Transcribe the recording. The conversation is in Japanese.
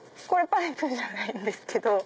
パイプじゃないんですけど。